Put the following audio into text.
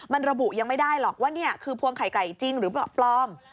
มันระบุยังไม่ได้หรอกว่านี่คือพวงไข่ไก่จริงหรือปลอม